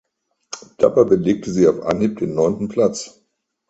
Dabei belegte sie auf Anhieb den neunten Platz.